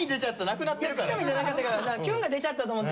くしゃみじゃなかったけどなキュンが出ちゃったと思って。